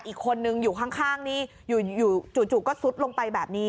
อีกคนนึงอยู่ข้างนี่อยู่จู่ก็ซุดลงไปแบบนี้